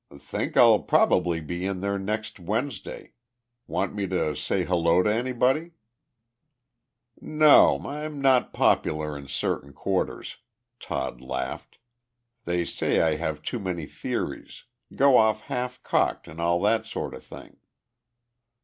"Think I'll probably be in there next Wednesday. Want me to say 'Hello' to anybody?" "No, I'm not popular in certain quarters," Todd laughed. "They say I have too many theories go off half cocked and all that sort of thing."